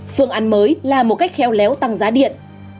phương án mới là một cách khéo léo tăng giá điện